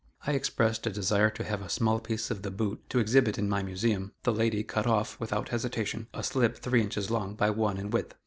I expressed a desire to have a small piece of the boot to exhibit in my Museum; the lady cut off, without hesitation, a slip three inches long by one in width.